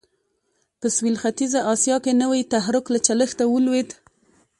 په سوېل ختیځه اسیا کې نوی تحرک له چلښته ولوېد.